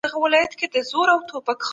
د هغې ونې سیوری ډېر یخ وو.